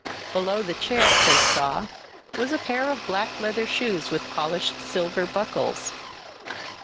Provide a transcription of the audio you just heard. Below the chair, Chris saw, was a pair of black leather shoes with polished silver buckles.